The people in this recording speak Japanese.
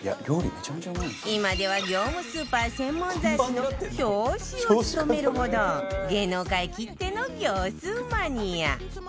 今では業務スーパー専門雑誌の表紙を務めるほど芸能界きっての業スーマニア